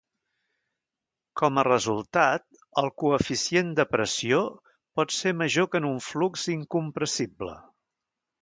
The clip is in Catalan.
Com a resultat, el coeficient de pressió pot ser major que en un flux incompressible.